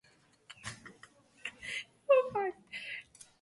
Koliko plasti ironije obstaja?